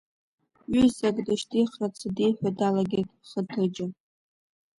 Ҩызак дышьҭихрацы диҳәо далагеит Хыҭыџьа.